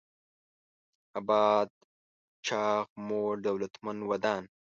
اباد: چاغ، موړ، دولتمن، ودان